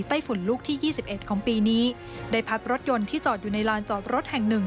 ฝุ่นลูกที่๒๑ของปีนี้ได้พัดรถยนต์ที่จอดอยู่ในลานจอดรถแห่งหนึ่ง